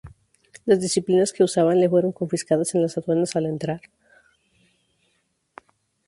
Las disciplinas que usaba le fueron confiscadas en las aduanas al entrar.